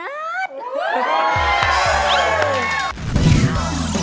อาหาร